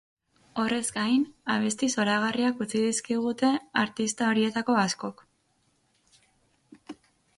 Horrez gain, abesti zoragarriak utzi dizkigute artista horietako askok.